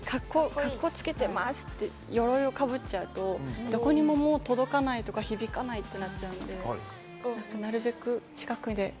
カッコつけてますって、鎧をかぶっちゃうとどこにももう届かないとか、響かないとかなっちゃうので、なるべく近くで。